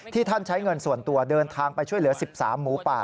ท่านใช้เงินส่วนตัวเดินทางไปช่วยเหลือ๑๓หมูป่า